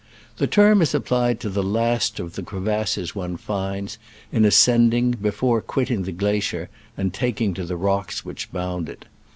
The term is applied to the last of the cre vasses one finds, in ascending, before quitting the glacier and taking to the rocks which bound it.